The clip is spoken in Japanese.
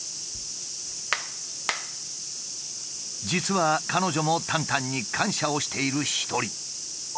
実は彼女もタンタンに感謝をしている一人。